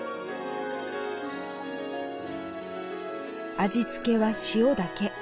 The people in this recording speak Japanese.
味付けは塩だけ。